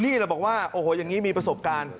นี่แหละบอกว่าโอ้โหอย่างนี้มีประสบการณ์